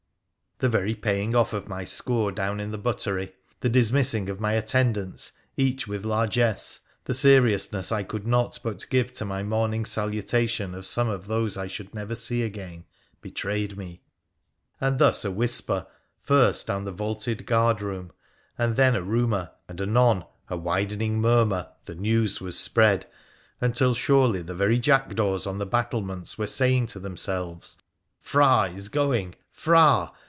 The very paying off of my score down in the buttery, the dismissing of my attendants, each with largess, the seriousness I could not but give to my morning salutation of some of those I should never see again, betrayed me. And thus a whisper, first down in the vaulted guard room, and then a rumour, and anon a widening murmur, the news was spread, until surely the very jackdaws on the battlements were saying to themselves, ' Phra is going ! Phra